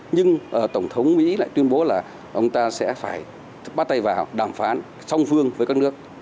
nhưng tổng thống mỹ lại tuyên bố là ông ta sẽ phải bắt tay vào đàm phán song phương với các nước